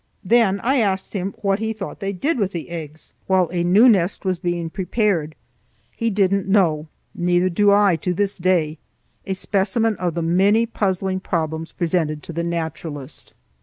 Then I asked him what he thought they did with the eggs while a new nest was being prepared. He didn't know; neither do I to this day. A specimen of the many puzzling problems presented to the naturalist.